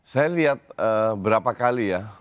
saya lihat berapa kali ya